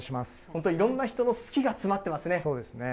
本当、いろんな人の好きが詰まっそうですね。